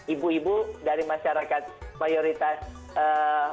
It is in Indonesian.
ibu ibu dari masyarakat mayoritas